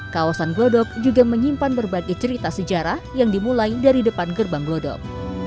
kawasan glodok juga menyimpan berbagai cerita sejarah yang dimulai dari depan gerbang glodok